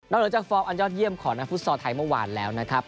เหนือจากฟอร์มอันยอดเยี่ยมของนักฟุตซอลไทยเมื่อวานแล้วนะครับ